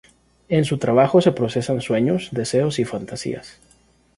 En su trabajo se procesan sueños, deseos y fantasías.